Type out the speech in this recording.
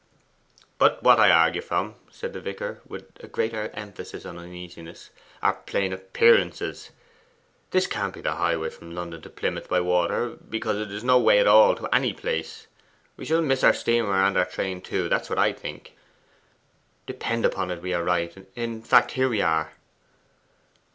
'But what I argue from,' said the vicar, with a greater emphasis of uneasiness, 'are plain appearances. This can't be the highway from London to Plymouth by water, because it is no way at all to any place. We shall miss our steamer and our train too that's what I think.' 'Depend upon it we are right. In fact, here we are.